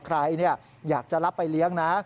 ใครอยากจะรับไปเลี้ยงนะ